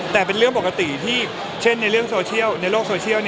แต่เป็นเรื่องปกติที่เช่นในโลกโซเชียลเนี่ย